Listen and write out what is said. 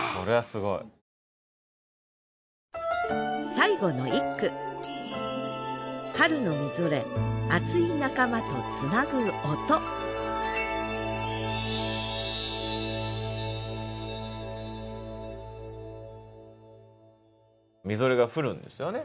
最後の一句霙が降るんですよね